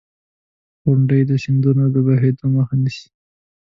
• غونډۍ د سیندونو د بهېدو مخه نیسي.